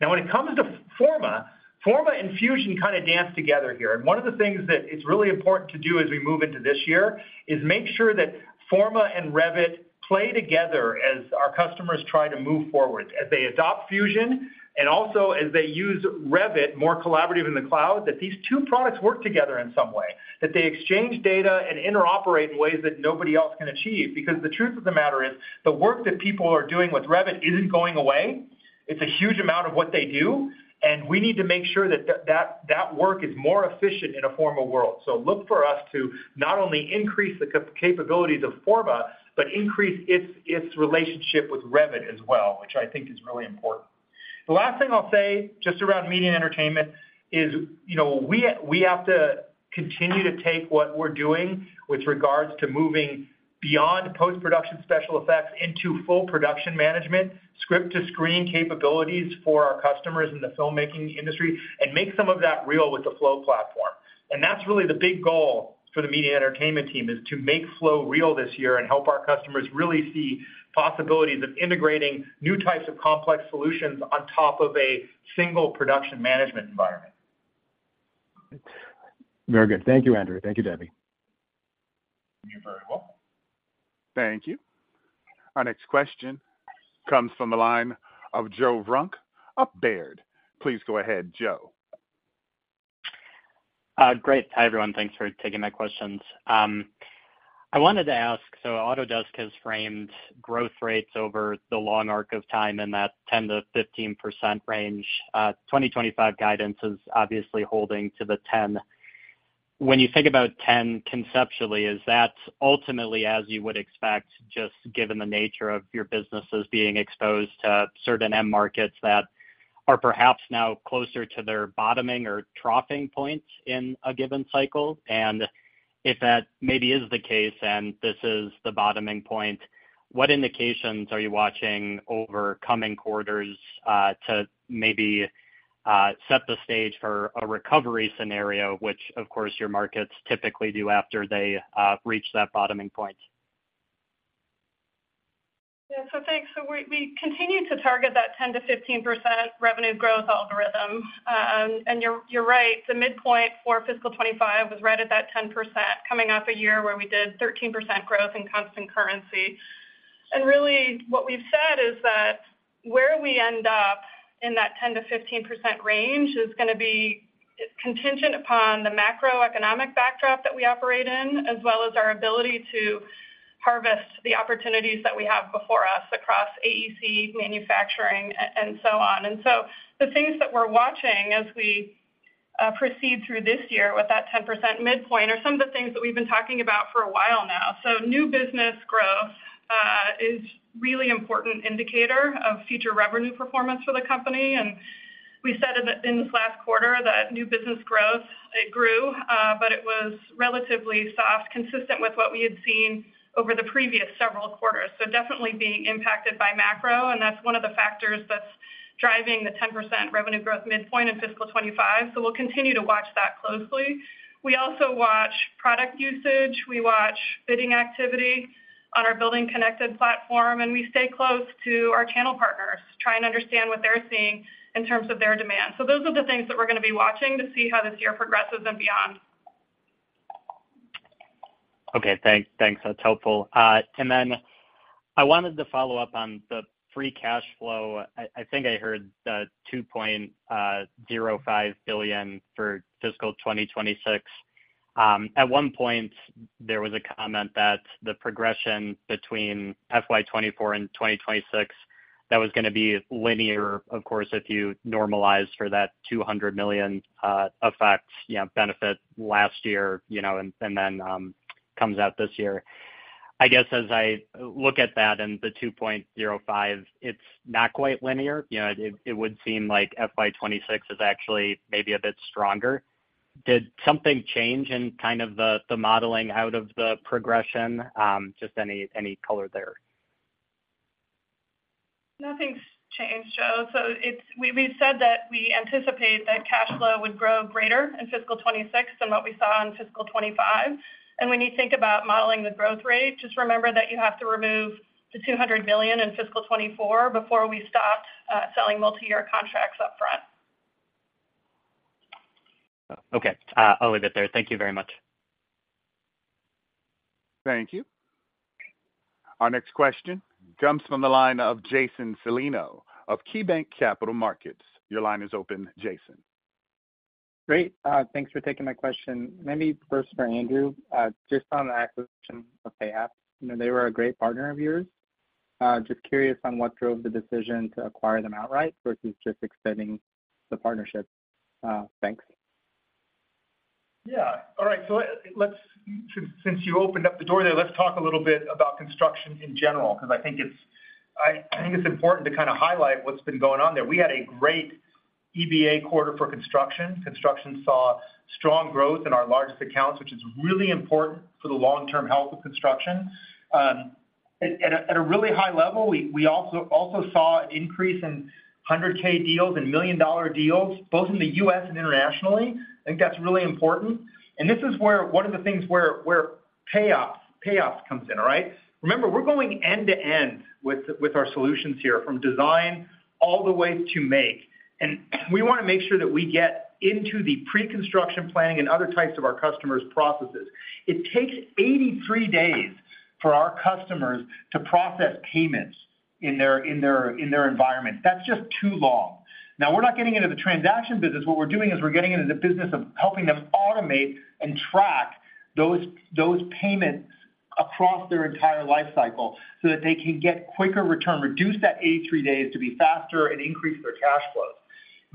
Now, when it comes to Forma, Forma and Fusion kind of dance together here. And one of the things that it's really important to do as we move into this year is make sure that Forma and Revit play together as our customers try to move forward, as they adopt Fusion, and also as they use Revit, more collaborative in the cloud, that these two products work together in some way, that they exchange data and interoperate in ways that nobody else can achieve. Because the truth of the matter is, the work that people are doing with Revit isn't going away. It's a huge amount of what they do. And we need to make sure that that work is more efficient in a Forma world. So look for us to not only increase the capabilities of Forma but increase its relationship with Revit as well, which I think is really important. The last thing I'll say just around media and entertainment is we have to continue to take what we're doing with regards to moving beyond post-production special effects into full production management, script-to-screen capabilities for our customers in the filmmaking industry, and make some of that real with the Flow platform. And that's really the big goal for the media and entertainment team is to make Flow real this year and help our customers really see possibilities of integrating new types of complex solutions on top of a single production management environment. Very good. Thank you, Andrew. Thank you, Debbie. You're very welcome. Thank you. Our next question comes from the line of Joe Vruwink of Baird. Please go ahead, Joe. Great. Hi, everyone. Thanks for taking my questions. I wanted to ask so Autodesk has framed growth rates over the long arc of time in that 10%-15% range. 2025 guidance is obviously holding to the 10%. When you think about 10% conceptually, is that ultimately, as you would expect, just given the nature of your businesses being exposed to certain end markets that are perhaps now closer to their bottoming or troughing point in a given cycle? And if that maybe is the case and this is the bottoming point, what indications are you watching over coming quarters to maybe set the stage for a recovery scenario, which, of course, your markets typically do after they reach that bottoming point? Yeah. So thanks. So we continue to target that 10%-15% revenue growth algorithm. And you're right. The midpoint for fiscal 2025 was right at that 10% coming off a year where we did 13% growth in constant currency. And really, what we've said is that where we end up in that 10%-15% range is going to be contingent upon the macroeconomic backdrop that we operate in as well as our ability to harvest the opportunities that we have before us across AEC, manufacturing, and so on. And so the things that we're watching as we proceed through this year with that 10% midpoint are some of the things that we've been talking about for a while now. So new business growth is a really important indicator of future revenue performance for the company. And we said in this last quarter that new business growth, it grew, but it was relatively soft, consistent with what we had seen over the previous several quarters, so definitely being impacted by macro. And that's one of the factors that's driving the 10% revenue growth midpoint in fiscal 2025. So we'll continue to watch that closely. We also watch product usage. We watch bidding activity on our BuildingConnected platform. And we stay close to our channel partners, try and understand what they're seeing in terms of their demand. So those are the things that we're going to be watching to see how this year progresses and beyond. Okay. Thanks. That's helpful. And then I wanted to follow up on the free cash flow. I think I heard $2.05 billion for fiscal 2026. At one point, there was a comment that the progression between FY 2024 and 2026, that was going to be linear, of course, if you normalize for that $200 million effect benefit last year and then comes out this year. I guess as I look at that and the $2.05, it's not quite linear. It would seem like FY 2026 is actually maybe a bit stronger. Did something change in kind of the modeling out of the progression? Just any color there. Nothing's changed, Joe. So we've said that we anticipate that cash flow would grow greater in fiscal 2026 than what we saw in fiscal 2025. And when you think about modeling the growth rate, just remember that you have to remove the $200 million in fiscal 2024 before we stop selling multiyear contracts upfront. Okay. I'll leave it there. Thank you very much. Thank you. Our next question comes from the line of Jason Celino of KeyBanc Capital Markets. Your line is open, Jason. Great. Thanks for taking my question. Maybe first for Andrew, just on the acquisition of Payapps. They were a great partner of yours. Just curious on what drove the decision to acquire them outright versus just extending the partnership. Thanks. Yeah. All right. So since you opened up the door there, let's talk a little bit about construction in general because I think it's important to kind of highlight what's been going on there. We had a great EBA quarter for construction. Construction saw strong growth in our largest accounts, which is really important for the long-term health of construction. At a really high level, we also saw an increase in 100K deals and million-dollar deals both in the U.S. and internationally. I think that's really important. And this is one of the things where Payapps comes in, all right? Remember, we're going end-to-end with our solutions here from design all the way to make. And we want to make sure that we get into the pre-construction planning and other types of our customers' processes. It takes 83 days for our customers to process payments in their environment. That's just too long. Now, we're not getting into the transaction business. What we're doing is we're getting into the business of helping them automate and track those payments across their entire lifecycle so that they can get quicker return, reduce that 83 days to be faster, and increase their cash flows.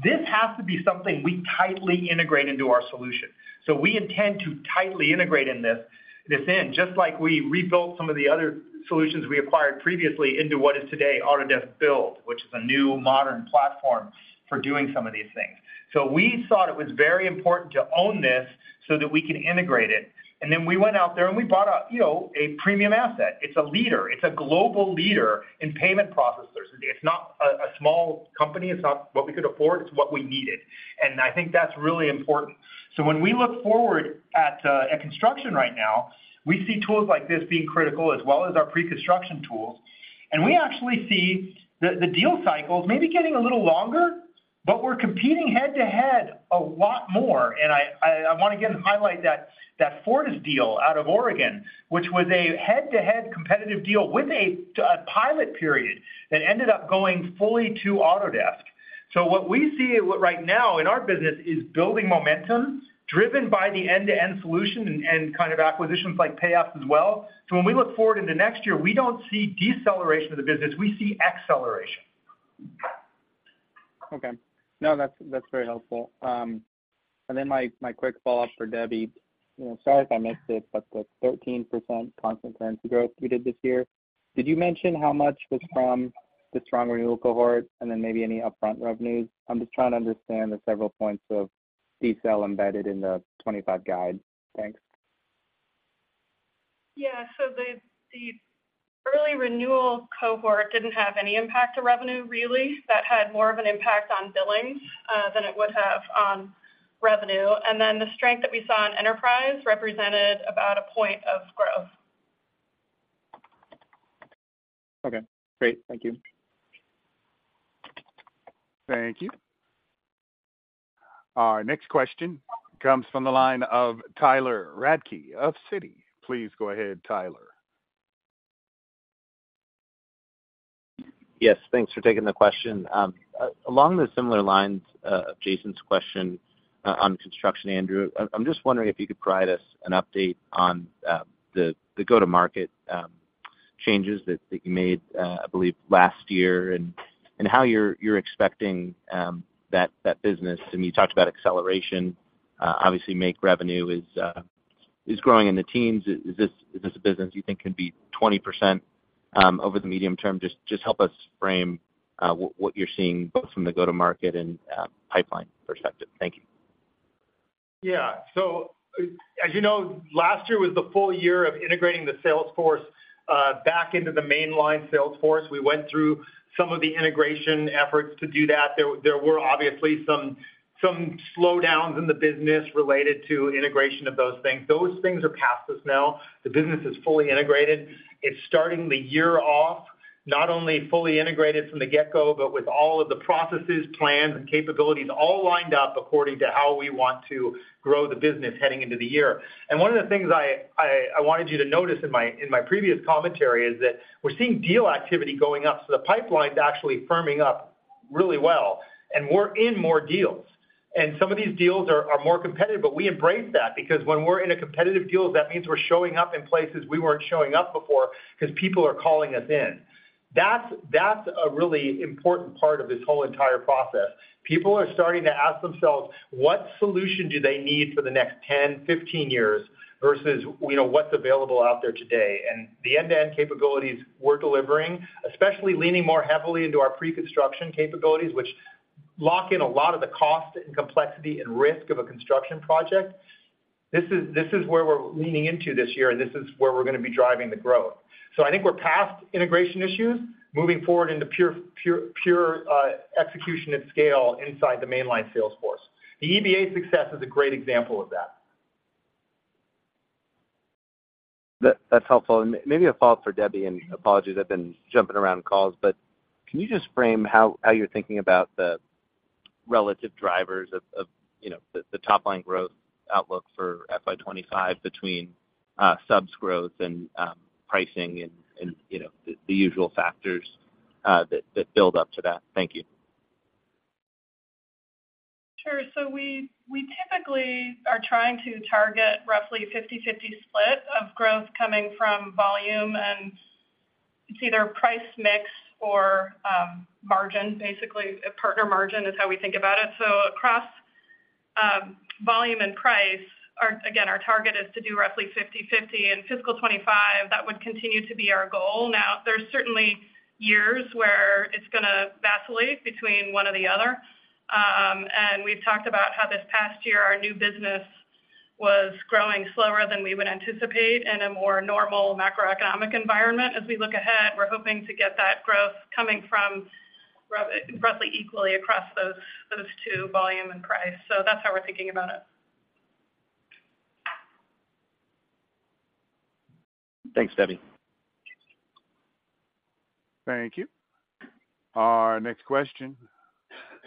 This has to be something we tightly integrate into our solution. So we intend to tightly integrate this in just like we rebuilt some of the other solutions we acquired previously into what is today Autodesk Build, which is a new modern platform for doing some of these things. So we thought it was very important to own this so that we can integrate it. And then we went out there, and we bought a premium asset. It's a leader. It's a global leader in payment processors. It's not a small company. It's not what we could afford. It's what we needed. And I think that's really important. So when we look forward at construction right now, we see tools like this being critical as well as our pre-construction tools. And we actually see the deal cycles maybe getting a little longer, but we're competing head-to-head a lot more. I want to, again, highlight that Fortis's deal out of Oregon, which was a head-to-head competitive deal with a pilot period that ended up going fully to Autodesk. So what we see right now in our business is building momentum driven by the end-to-end solution and kind of acquisitions like Payapps as well. So when we look forward into next year, we don't see deceleration of the business. We see acceleration. Okay. No, that's very helpful. And then my quick follow-up for Debbie. Sorry if I missed it, but the 13% constant currency growth we did this year, did you mention how much was from the strong renewal cohort and then maybe any upfront revenues? I'm just trying to understand the several points of decel embedded in the 2025 guide. Thanks. Yeah. So the early renewal cohort didn't have any impact to revenue, really. That had more of an impact on billings than it would have on revenue. And then the strength that we saw in enterprise represented about a point of growth. Okay. Great. Thank you. Thank you. Our next question comes from the line of Tyler Radke of Citi. Please go ahead, Tyler. Yes. Thanks for taking the question. Along the similar lines of Jason's question on construction, Andrew, I'm just wondering if you could provide us an update on the go-to-market changes that you made, I believe, last year and how you're expecting that business to—I mean, you talked about acceleration. Obviously, M&E revenue is growing in the teens. Is this a business you think can be 20% over the medium term? Just help us frame what you're seeing both from the go-to-market and pipeline perspective. Thank you. Yeah. So as you know, last year was the full year of integrating the Salesforce back into the mainline Salesforce. We went through some of the integration efforts to do that. There were, obviously, some slowdowns in the business related to integration of those things. Those things are past us now. The business is fully integrated. It's starting the year off not only fully integrated from the get-go but with all of the processes, plans, and capabilities all lined up according to how we want to grow the business heading into the year. And one of the things I wanted you to notice in my previous commentary is that we're seeing deal activity going up. So the pipeline's actually firming up really well. And we're in more deals. And some of these deals are more competitive. But we embrace that because when we're in a competitive deal, that means we're showing up in places we weren't showing up before because people are calling us in. That's a really important part of this whole entire process. People are starting to ask themselves, "What solution do they need for the next 10-15 years versus what's available out there today?" And the end-to-end capabilities we're delivering, especially leaning more heavily into our pre-construction capabilities, which lock in a lot of the cost and complexity and risk of a construction project, this is where we're leaning into this year, and this is where we're going to be driving the growth. So I think we're past integration issues, moving forward into pure execution at scale inside the mainline Salesforce. The EBA success is a great example of that. That's helpful. And maybe a follow-up for Debbie and apologies. I've bee`n jumping around calls. But can you just frame how you're thinking about the relative drivers of the top-line growth outlook for FY 2025 between subs growth and pricing and the usual factors that build up to that? Thank you. Sure. So we typically are trying to target roughly 50/50 split of growth coming from volume. And it's either price mix or margin, basically. Partner margin is how we think about it. So across volume and price, again, our target is to do roughly 50/50. In fiscal 2025, that would continue to be our goal. Now, there's certainly years where it's going to vacillate between one or the other. And we've talked about how this past year, our new business was growing slower than we would anticipate in a more normal macroeconomic environment. As we look ahead, we're hoping to get that growth coming from roughly equally across those two, volume and price. So that's how we're thinking about it. Thanks, Debbie. Thank you. Our next question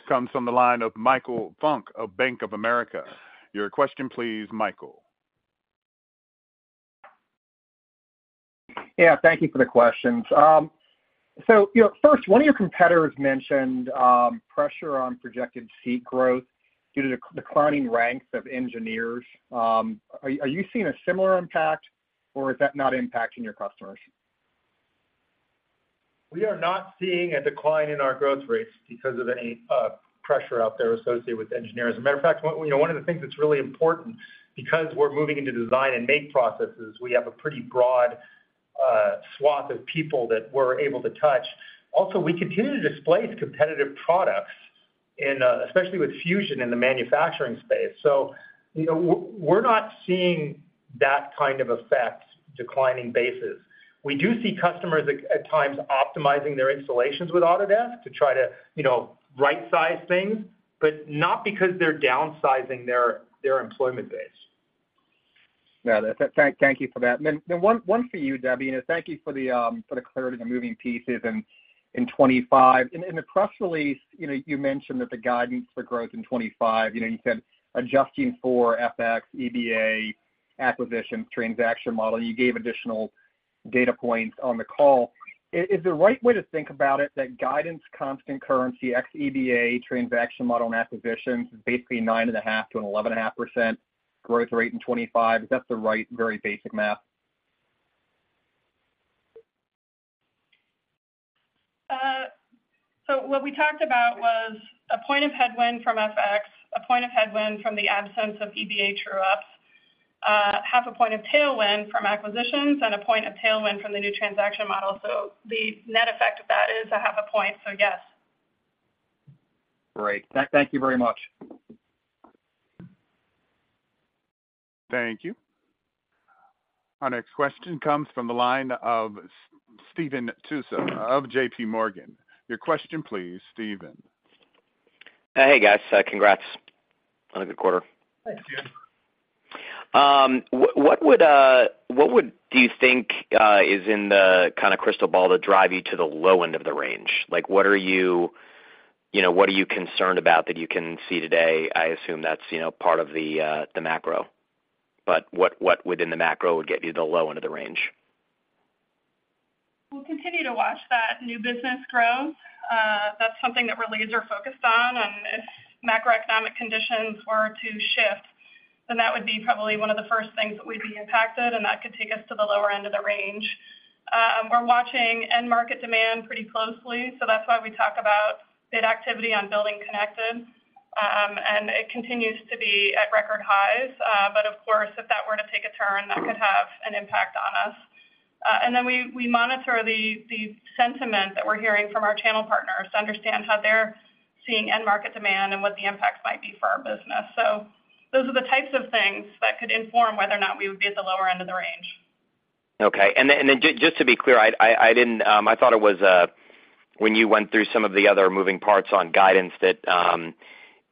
comes from the line of Michael Funk of Bank of America. Your question, please, Michael. Yeah. Thank you for the questions. So first, one of your competitors mentioned pressure on projected seat growth due to the declining ranks of engineers. Are you seeing a similar impact, or is that not impacting your customers? We are not seeing a decline in our growth rates because of any pressure out there associated with engineers. As a matter of fact, one of the things that's really important because we're moving into design and make processes, we have a pretty broad swath of people that we're able to touch. Also, we continue to displace competitive products, especially with Fusion in the manufacturing space. So we're not seeing that kind of effect, declining bases. We do see customers at times optimizing their installations with Autodesk to try to right-size things but not because they're downsizing their employment base. Yeah. Thank you for that. And then one for you, Debbie. And thank you for the clarity on the moving pieces. And in the press release, you mentioned that the guidance for growth in 2025, you said adjusting for FX, EBA, acquisitions, transaction model. And you gave additional data points on the call. Is the right way to think about it, that guidance, constant currency, ex-EBA, transaction model, and acquisitions is basically 9.5%-11.5% growth rate in 2025? Is that the right, very basic math? So what we talked about was a point of headwind from FX, a point of headwind from the absence of EBA true-ups, half a point of tailwind from acquisitions, and a point of tailwind from the new transaction model. So the net effect of that is a half a point. So yes. Great. Thank you very much. Thank you. Our next question comes from the line of Stephen Tusa of JPMorgan. Your question, please, Steven. Hey, guys. Congrats on a good quarter. Thanks, Steve. What do you think is in the kind of crystal ball that drive you to the low end of the range? What are you concerned about that you can see today? I assume that's part of the macro. But what within the macro would get you to the low end of the range? We'll continue to watch that new business grow. That's something that we're laser-focused on. And if macroeconomic conditions were to shift, then that would be probably one of the first things that we'd be impacted, and that could take us to the lower end of the range. We're watching end-market demand pretty closely. So that's why we talk about bid activity on Building Connected. And it continues to be at record highs. But of course, if that were to take a turn, that could have an impact on us. And then we monitor the sentiment that we're hearing from our channel partners to understand how they're seeing end-market demand and what the impacts might be for our business. So those are the types of things that could inform whether or not we would be at the lower end of the range. Okay. Then just to be clear, I thought it was when you went through some of the other moving parts on guidance that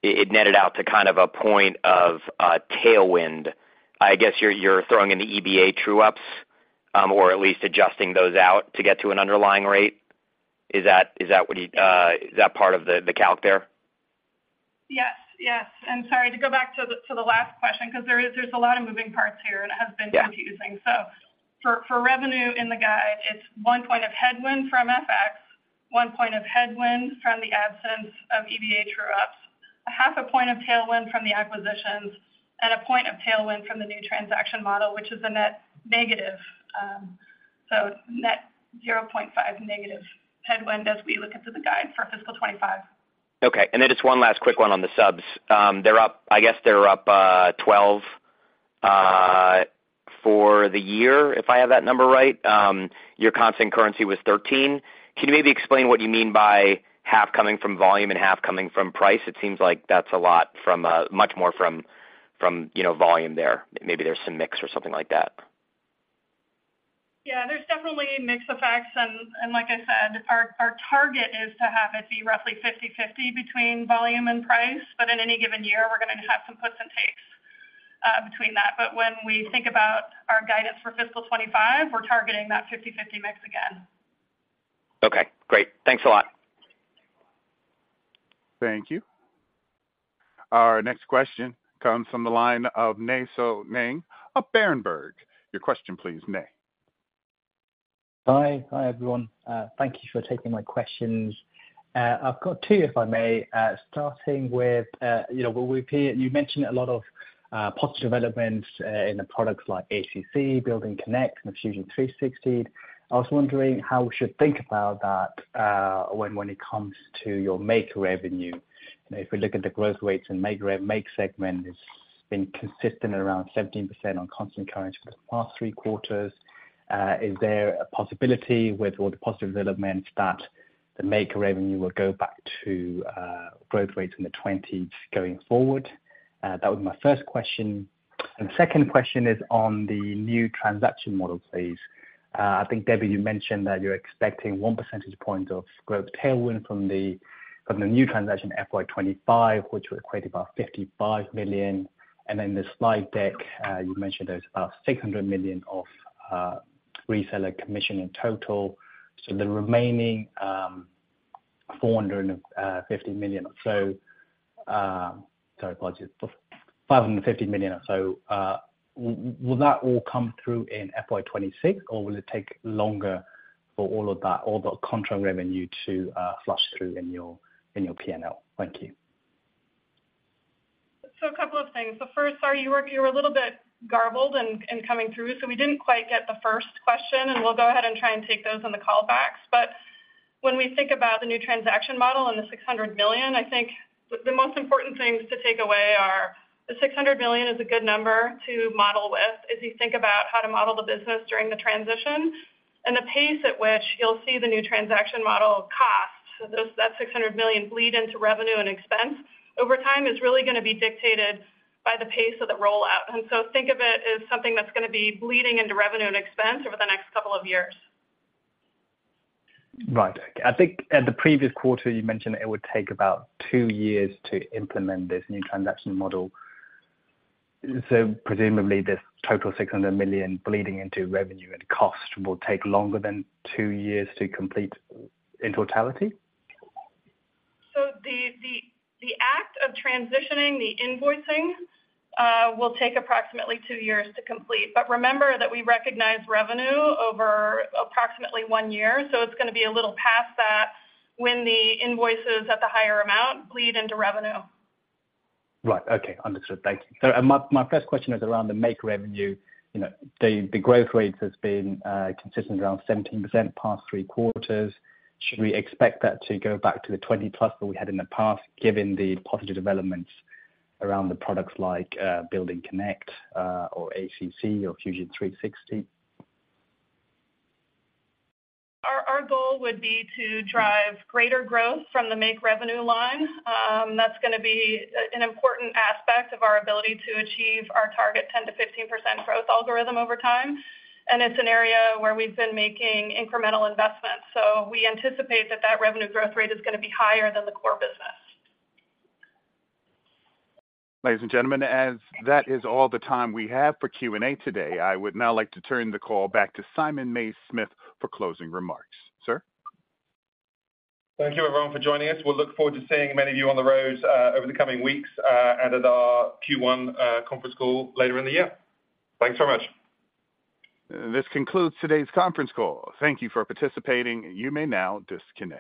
it netted out to kind of a point of tailwind. I guess you're throwing in the EBA true-ups or at least adjusting those out to get to an underlying rate. Is that what you is that part of the calc there? Yes. Yes. Sorry, to go back to the last question because there's a lot of moving parts here, and it has been confusing. So for revenue in the guide, it's 1 point of headwind from FX, 1 point of headwind from the absence of EBA true-ups, a 0.5 point of tailwind from the acquisitions, and a point of tailwind from the new transaction model, which is a net negative. So net 0.5 negative headwind as we look into the guide for fiscal 2025. Okay. Then just one last quick one on the subs. I guess they're up 12% for the year if I have that number right. Your constant currency was 13%. Can you maybe explain what you mean by half coming from volume and half coming from price? It seems like that's a lot from much more from volume there. Maybe there's some mix or something like that. Yeah. There's definitely mix effects. And like I said, our target is to have it be roughly 50/50 between volume and price. But in any given year, we're going to have some puts and takes between that. But when we think about our guidance for fiscal 2025, we're targeting that 50/50 mix again. Okay. Great. Thanks a lot. Thank you. Our next question comes from the line of Nay Soe Naing of Berenberg. Your question, please, Naing. Hi. Hi, everyone. Thank you for taking my questions. I've got two, if I may, starting with well, you mentioned a lot of positive developments in the products like ACC, BuildingConnected, and the Fusion 360. I was wondering how we should think about that when it comes to your make revenue. If we look at the growth rates in make segment, it's been consistent around 17% on constant currency for the past three quarters. Is there a possibility with all the positive developments that the make revenue will go back to growth rates in the 20s going forward? That was my first question. And the second question is on the new transaction model, please. I think, Debbie, you mentioned that you're expecting 1 percentage point of growth tailwind from the new transaction FY 2025, which will equate to about $55 million. And then in the slide deck, you mentioned there's about $600 million of reseller commission in total. So the remaining $450 million or so—sorry, apologies, $550 million or so—will that all come through in FY 2026, or will it take longer for all of that, all the contract revenue, to flush through in your P&L? Thank you. So a couple of things. So first, sorry, you were a little bit garbled in coming through. So we didn't quite get the first question. And we'll go ahead and try and take those in the callbacks. But when we think about the new transaction model and the $600 million, I think the most important things to take away are the $600 million is a good number to model with as you think about how to model the business during the transition and the pace at which you'll see the new transaction model cost. So that $600 million bleed into revenue and expense over time is really going to be dictated by the pace of the rollout. And so think of it as something that's going to be bleeding into revenue and expense over the next couple of years. Right. I think at the previous quarter, you mentioned it would take about two years to implement this new transaction model. So presumably, this total $600 million bleeding into revenue and cost will take longer than two years to complete in totality? So the act of transitioning, the invoicing, will take approximately two years to complete. But remember that we recognize revenue over approximately one year. So it's going to be a little past that when the invoices at the higher amount bleed into revenue. Right. Okay. Understood. Thank you. So my first question is around the make revenue. The growth rate has been consistent around 17% past three quarters. Should we expect that to go back to the 20+ that we had in the past given the positive developments around the products like BuildingConnected or ACC or Fusion 360? Our goal would be to drive greater growth from the make revenue line. That's going to be an important aspect of our ability to achieve our target 10%-15% growth algorithm over time. It's an area where we've been making incremental investments. We anticipate that that revenue growth rate is going to be higher than the core business. Ladies and gentlemen, as that is all the time we have for Q&A today, I would now like to turn the call back to Simon Mays-Smith for closing remarks. Sir? Thank you, everyone, for joining us. We'll look forward to seeing many of you on the road over the coming weeks and at our Q1 conference call later in the year. Thanks very much. This concludes today's conference call. Thank you for participating. You may now disconnect.